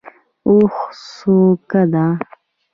اوښ څوکه ده.